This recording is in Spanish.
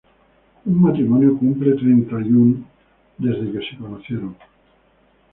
Un matrimonio cumple treinta y un desde que se conocieron.